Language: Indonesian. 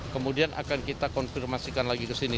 kemudian akan kita konfirmasikan lagi ke sini